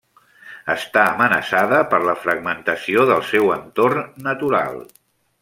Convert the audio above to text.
Està amenaçada per la fragmentació del seu entorn natural.